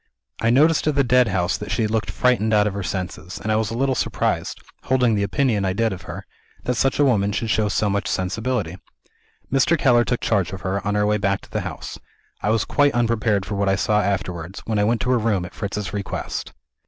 "I noticed, at the Deadhouse, that she looked frightened out of her senses; and I was a little surprised holding the opinion I did of her that such a woman should show so much sensibility. Mr. Keller took charge of her, on our way back to the house. I was quite unprepared for what I saw afterwards, when I went to her room at Fritz's request.